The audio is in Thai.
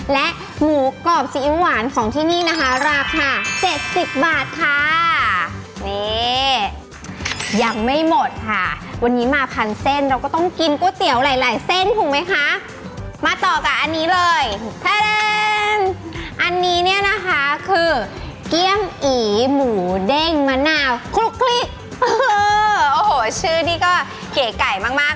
และหมูกรอบสีอิ๊วหวานของที่นี่นะคะ